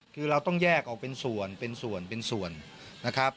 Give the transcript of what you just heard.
คือเราต้องแยกออกเป็นส่วนเป็นส่วนเป็นส่วนนะครับ